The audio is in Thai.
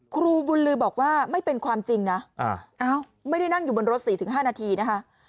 ครูบุญลือบอกว่าไม่เป็นความจริงนะไม่ได้นั่งอยู่บนรถ๔๕นาทีนะคะ